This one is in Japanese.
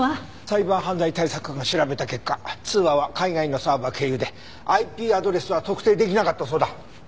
サイバー犯罪対策課が調べた結果通話は海外のサーバー経由でＩＰアドレスは特定できなかったそうだ。